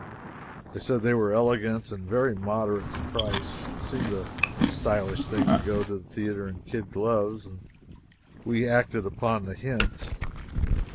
They said they were elegant and very moderate in price. It seemed a stylish thing to go to the theater in kid gloves, and we acted upon the hint.